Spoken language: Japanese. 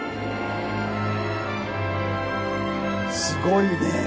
すごいね。